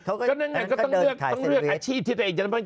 เขาก็เดินขายแซนวิสครับต้องเลือกอาชีพใช่หรือยัง